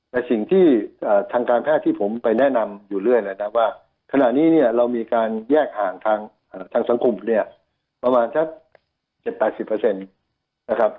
แต่สิ่งที่ทางการแพทย์ที่ผมไปแนะนำอยู่เรื่อยเลยนะว่าขณะนี้เนี่ยเรามีการแยกห่างทางสังคมเนี่ยประมาณสัก๗๘๐นะครับ